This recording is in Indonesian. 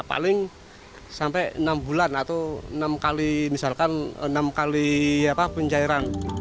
paling sampai enam bulan atau enam kali pencairan